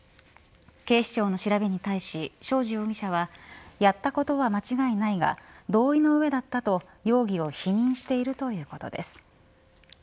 警視庁の調べに対し正地容疑者はやったことは間違いないが同意の上だったと容疑を否認しているということです。